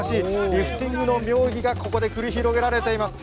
リフティングの妙技がここで繰り広げられています。